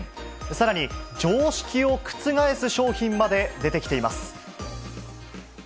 さらに、常識を覆す商品まで出てきています。